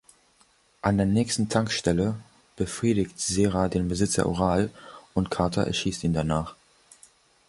An der nächsten Tankstelle befriedigt Sera den Besitzer oral und Carter erschießt ihn danach.